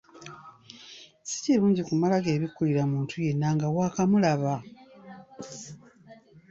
Si kirungi kumala “geebikkulira” muntu yenna nga waakamulaba!